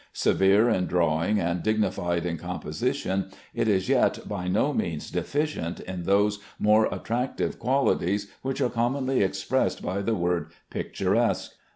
Severe in drawing and dignified in composition, it is yet by no means deficient in those more attractive qualities which are commonly expressed by the word "picturesque."